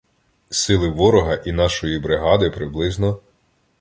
Сили ворога і нашої бригади приблизно